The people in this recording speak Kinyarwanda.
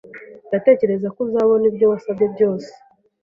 Ndatekereza ko uzabona ibyo wasabye byose.